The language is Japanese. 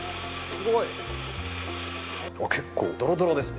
結構ドロドロですね。